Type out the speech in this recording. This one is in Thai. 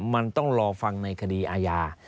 มันต้องรอฟังในคดีอาญา